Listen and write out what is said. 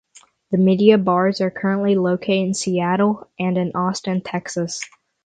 The media bars are currently located in Seattle and in Austin, Texas.